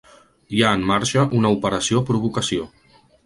Hi ha en marxa una "operació provocació".